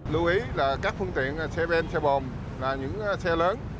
lưu ý là các phương tiện xe ben xe bồn là những xe lớn